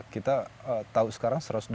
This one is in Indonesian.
kita tahu sekarang satu ratus dua puluh